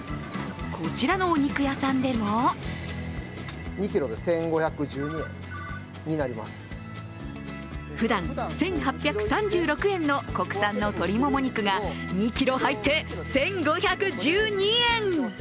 こちらのお肉屋さんでもふだん１８３６円の国産の鶏もも肉が２ｋｇ入って、１５１２円。